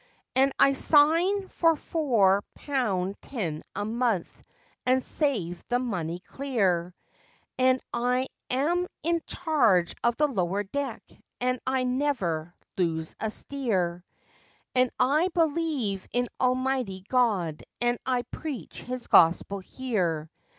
An' I sign for four pound ten a month and save the money clear, An' I am in charge of the lower deck, an' I never lose a steer; An' I believe in Almighty God an' I preach His Gospel here.